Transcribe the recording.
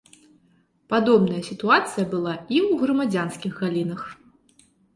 Падобная сітуацыя была і ў грамадзянскіх галінах.